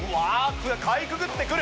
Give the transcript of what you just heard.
ここでかいくぐってくる。